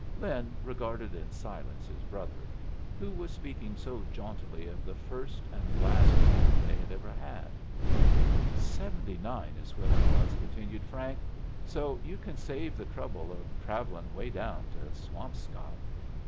Lin regarded in silence his brother, who was speaking so jauntily of the first and last home they had ever had. "Seventy nine is when it was," continued Frank. "So you can save the trouble of travelling away down to Swampscott."